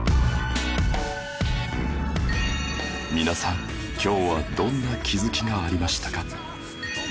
皆さん今日はどんな気付きがありましたか？